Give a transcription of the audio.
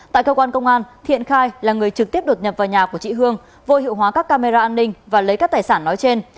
tại cơ quan công an thiện khai là người trực tiếp đột nhập vào nhà của chị hương vô hiệu hóa các camera an ninh và lấy các tài sản nói trên